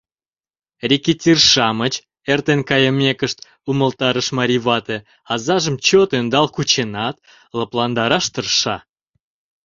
— Рэкетир-шамыч, — эртен кайымекышт, умылтарыш марий вате, азажым чот ӧндал кученат, лыпландараш тырша.